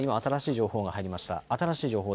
途中ですが新しい情報が入りました。